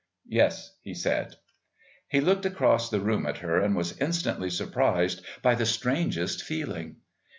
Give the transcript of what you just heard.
"Yes," he said. He looked across the room at her and was instantly surprised by the strangest feeling.